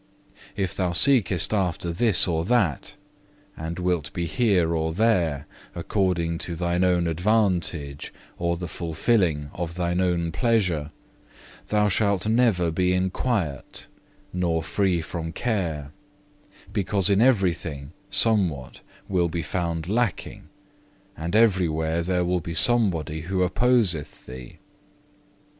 If thou seekest after this or that, and wilt be here or there, according to thine own advantage or the fulfilling of thine own pleasure, thou shalt never be in quiet, nor free from care, because in everything somewhat will be found lacking, and everywhere there will be somebody who opposeth thee.